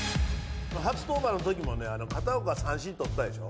初登板のときもね片岡三振取ったでしょ？